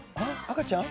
赤ちゃん。